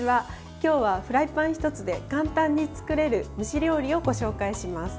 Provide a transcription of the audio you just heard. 今日は、フライパン１つで簡単に作れる蒸し料理をご紹介します。